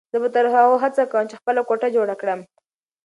زه به تر هغو هڅه کوم چې خپله کوټه جوړه کړم.